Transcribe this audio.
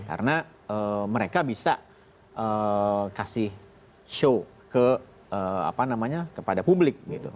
karena mereka bisa kasih show ke apa namanya kepada publik gitu